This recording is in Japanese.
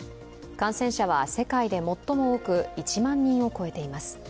感染者は世界で最も多く１万人を超えています。